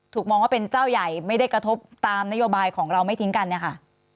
มองว่าเป็นเจ้าใหญ่ไม่ได้กระทบตามนโยบายของเราไม่ทิ้งกันเนี่ยค่ะ